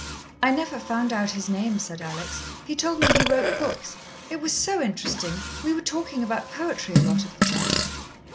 "I never found out his name," said Alex. "He told me he wrote books. It was so interesting; we were talking about poetry a lot of the time."